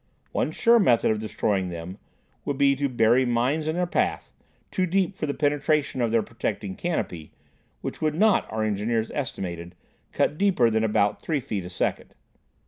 One sure method of destroying them would be to bury mines in their path, too deep for the penetration of their protecting canopy, which would not, our engineers estimated, cut deeper than about three feet a second.